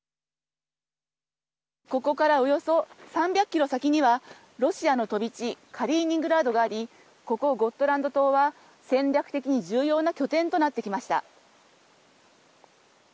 ここからおよそ３００キロ先にはロシアの飛び地カリーニングラードがありここ、ゴットランド島は戦略的に重要な拠点となってきました。